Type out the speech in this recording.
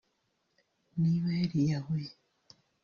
niba yariyahuye